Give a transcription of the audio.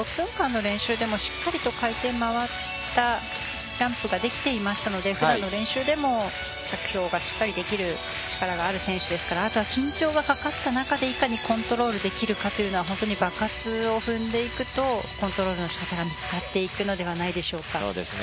６分間の練習でもしっかりと、回転回ったジャンプができていたのでふだんの練習でも着氷がしっかりできる選手ですからあとは緊張がかかった中でいかにコントロールできるかというのは本当に場数を踏んでいくとコントロールのしかたが見つかっていくのではないでしょうか。